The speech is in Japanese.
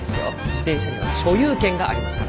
自転車には所有権がありますから。